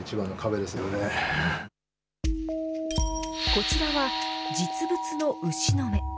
こちらは実物の牛の目。